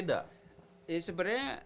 itu gak mungkin ya mas beda